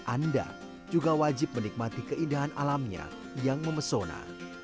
anda juga wajib menikmati keindahan alamnya yang memesona